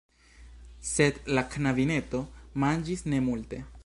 Sed la knabineto manĝis ne multe.